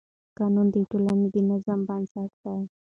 قانون د ټولنې د نظم بنسټ دی.